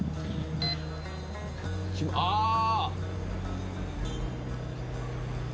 ああ。